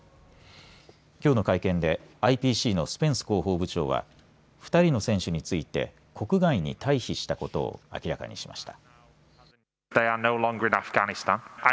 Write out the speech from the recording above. きょうの会見でＩＰＣのスペンス広報部長は２人の選手について国外に退避したことを明らかにしました。